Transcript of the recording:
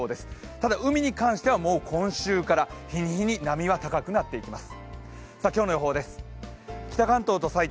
ただ海に関しては今週から日に日に波は高くなっていきます。